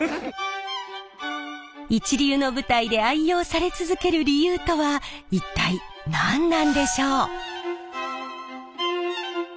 一流の舞台で愛用され続ける理由とは一体何なんでしょう？